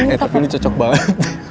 eh tapi ini cocok banget